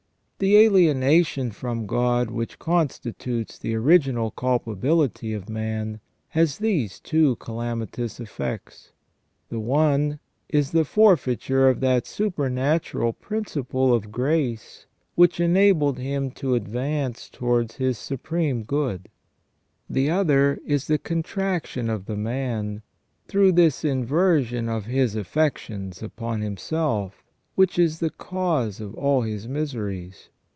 The alienation from God, which constitutes the original culpa bility of man, has these two calamitous effects : the one is the forfeiture of that supernatural principle of grace which enabled him to advance towards his Supreme Good; the other is the contraction of the man, through this inversion of his affections upon himself, which is the cause of all his miseries.